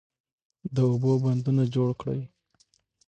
د اوبو بندونه جوړ کړئ.